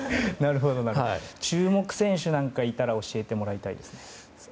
注目選手なんかいたら教えてもらいたいです。